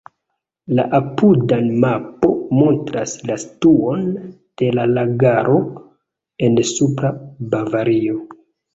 La apuda mapo montras la situon de la lagaro en Supra Bavario.